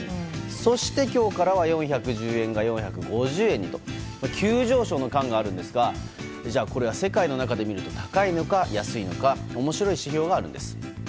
そして今日からは４１０円が４５０円にと。急上昇の感があるんですがじゃあ、これは世界の中で見ると高いのか安いのか面白い資料があるんです。